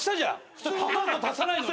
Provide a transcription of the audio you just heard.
普通の女の子足さないのに。